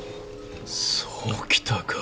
そうきたか。